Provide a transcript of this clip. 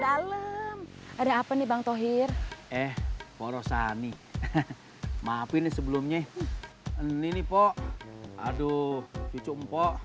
salem ada apa nih bang tohir eh porosani maafin sebelumnya ini nih pok aduh cucu mpo